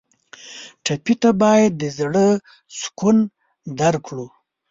ټپي ته باید د زړه سکون درکړو.